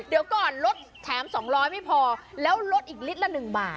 เดี๋ยวก่อนลดแถม๒๐๐ไม่พอแล้วลดอีกลิตรละ๑บาท